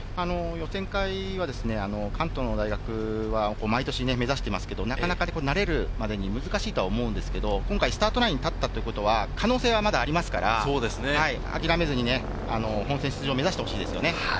予選会は、関東の大学は毎年目指していますけれども、なかなか慣れるまでに難しいと思うんですけど、今回スタートラインに至ったということは可能性はまだありますから、諦めずに本選出場を目指してほしいですね。